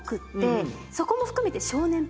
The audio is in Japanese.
そこも含めて。